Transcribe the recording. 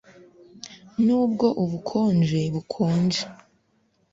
nubwo ubukonje bukonje